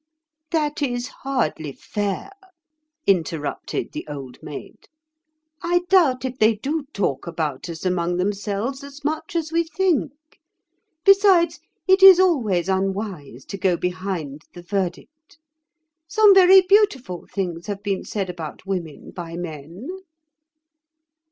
"That is hardly fair," interrupted the Old Maid. "I doubt if they do talk about us among themselves as much as we think. Besides, it is always unwise to go behind the verdict. Some very beautiful things have been said about women by men."